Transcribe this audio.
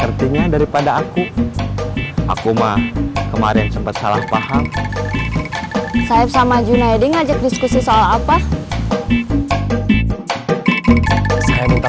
artinya daripada aku aku mah kemarin sempet salah paham sayap sama junaedi ngajak diskusi soal apa